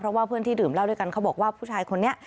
เพราะว่าเพื่อนที่ดื่มเหล้าด้วยกันเขาบอกว่าผู้ชายคนนี้